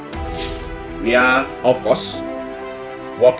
bekerja dengan sangat keras